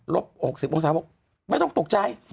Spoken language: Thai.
ลบ๖๐องศาไม่ต้องตกใจ